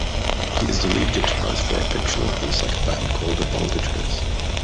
He is the lead guitarist for a fictional insect band called The Bulldaggers.